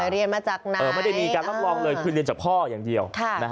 เรียนมาจากไหนไม่ได้มีการรับรองเลยคือเรียนจากพ่ออย่างเดียว